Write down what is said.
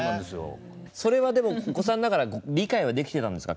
それはお子さんながら理解はできてたんですか？